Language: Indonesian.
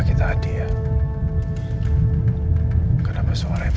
sisi rumah ini